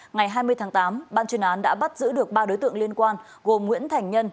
ngày hai mươi tháng tám ban chuyên án đã bắt giữ được ba đối tượng liên quan gồm nguyễn thành nhân